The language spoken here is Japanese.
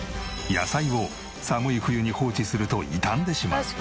野菜を寒い冬に放置すると傷んでしまう。